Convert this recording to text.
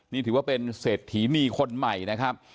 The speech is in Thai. นี่ถือว่าเป็นเศรษฐีนีคนใหม่นะครับ